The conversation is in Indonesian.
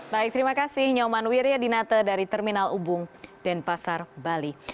baik terima kasih nyoman wirya dinata dari terminal ubung dan pasar bali